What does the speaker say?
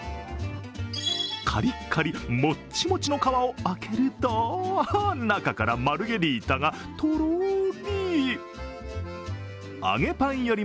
カリカリ、モッチモチの皮を開けると中からマルゲリータがとろり！